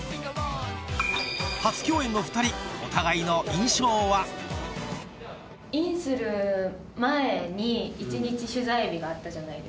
初共演の２人インする前に１日取材日があったじゃないですか。